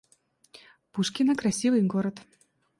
Пушкино — красивый город